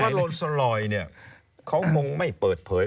แต่ว่าโรสรอยเนี่ยเขามงไม่เปิดเผย